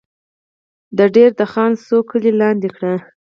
د دیر د خان څو کلي یې لاندې کړل.